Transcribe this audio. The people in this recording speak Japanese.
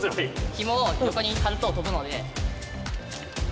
ひもを横に張ると飛ぶので。